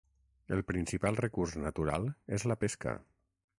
El principal recurs natural és la pesca.